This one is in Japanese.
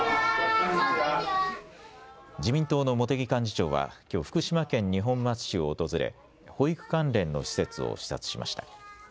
自民党の茂木幹事長はきょう福島県二本松市を訪れ保育関連の施設を視察しました。